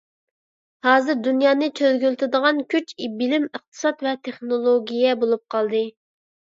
ھازىر دۇنيانى چۆرگۈلىتىدىغان كۈچ — بىلىم، ئىقتىساد ۋە تېخنولوگىيە بولۇپ قالدى.